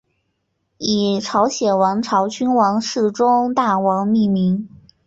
以朝鲜王朝君王世宗大王命名。